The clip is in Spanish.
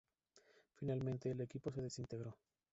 Finalmente, el equipo se desintegró.